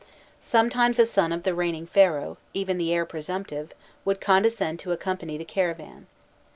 Sometimes a son of the reigning Pharaoh, even the heir presumptive, would condescend to accompany the caravan.